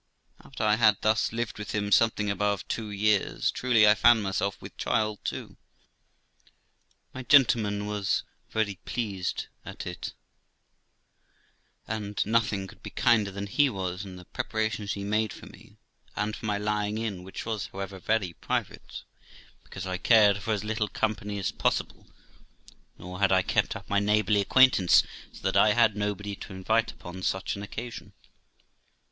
After I had thus lived with him something above two years, truly I found myself with child too. My gentleman was mightily pleased at it, and nothing could be kinder than he was in the preparations he made for me, and for my lying in, which was, however, very private, because I cared for as little company as possible; nor had I kept up my neighbourly acquaintance, so that I had nobody to invite upon such an occasion.